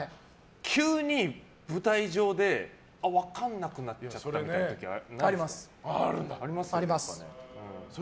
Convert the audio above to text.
急に舞台上で分かんなくなっちゃったみたいなあります。